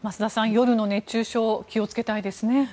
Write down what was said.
夜の熱中症気をつけたいですね。